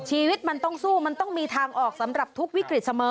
ชีวิตมันต้องสู้มันต้องมีทางออกสำหรับทุกวิกฤตเสมอ